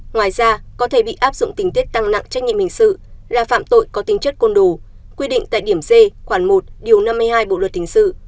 ngoài ra có thể bị áp dụng tình tiết tăng nặng trách nhiệm hình sự là phạm tội có tính chất côn đồ quy định tại điểm c khoảng một điều năm mươi hai bộ luật hình sự